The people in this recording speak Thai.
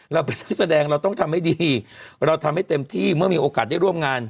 เราเป็นนักแสดงเราต้องทำให้ดีเราทำให้เต็มที่เมื่อมีโอกาสได้ร่วมงาน